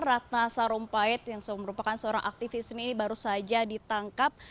ratna sarumpait yang merupakan seorang aktivis ini baru saja ditangkap